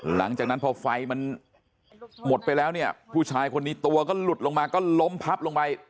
หลังจากนั้นพอไฟมันหมดไปแล้วเนี่ยผู้ชายคนนี้ตัวก็หลุดลงมาก็ล้มพับลงไป